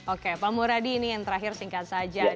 oke pak muradi ini yang terakhir singkat saja